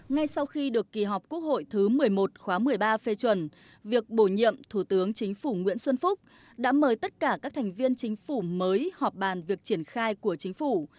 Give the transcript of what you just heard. ngay sau khi được kỳ họp quốc hội thứ một mươi một khóa một mươi ba phê chuẩn việc bổ nhiệm thủ tướng chính phủ nguyễn xuân phúc đã mời tất cả các thành viên chính phủ mới họp bàn việc triển khai của chính phủ